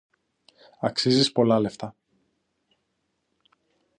Αξίζεις πολλά λεφτά.